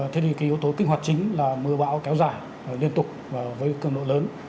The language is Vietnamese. thế thì cái yếu tố kích hoạt chính là mưa bão kéo dài liên tục với cường độ lớn